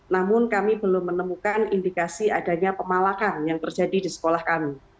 namun kami belum menemukan indikasi adanya pemalakan yang terjadi di sekolah kami